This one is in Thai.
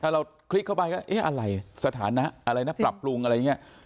ถ้าเราคลิกเข้าไปก็เอ๊ะอะไรฝรั่งสถานะปรับปรุงอะไรแบบนี้